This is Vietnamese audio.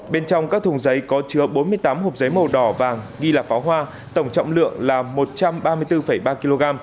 bên trong các thùng giấy có chứa bốn mươi tám hộp giấy màu đỏ vàng nghi là pháo hoa tổng trọng lượng là một trăm ba mươi bốn ba kg